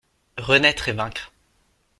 Renaître et vaincre